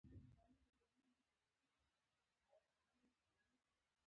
ما خپل بېک د تللو لپاره وړاندې کړ.